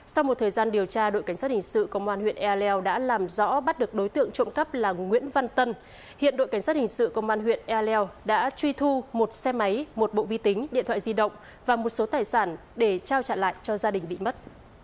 sau một thời gian điều tra đội cảnh sát hình sự công an huyện ea leo đã làm rõ bắt được đối tượng trộm cắp là nguyễn văn tân hiện đội cảnh sát hình sự công an huyện e leo đã truy thu một xe máy một bộ vi tính điện thoại di động và một số tài sản để trao trả lại cho gia đình bị mất